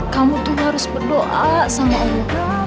kamu tuh harus berdoa sama allah